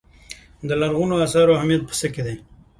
د لرغونو اثارو اهمیت په څه کې دی.